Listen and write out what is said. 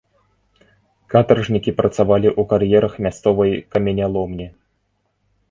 Катаржнікі працавалі ў кар'ерах мясцовай каменяломні.